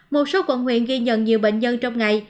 một số quận huyện ghi nhận nhiều bệnh nhân trong ngày